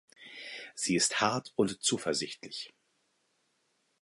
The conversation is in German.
Sie ist hart und zuversichtlich.